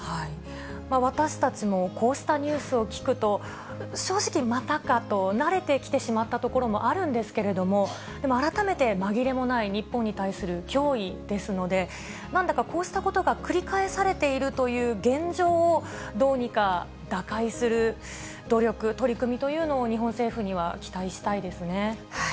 私たちも、こうしたニュースを聞くと、正直またかと慣れてきてしまったところもあるんですけれども、改めて、紛れもない、日本に対する脅威ですので、なんだかこうしたことが繰り返されているという現状を、どうにか打開する努力、取り組みというのを、日本政府には期待したいですね。